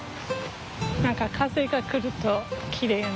何か風が来るときれいやな。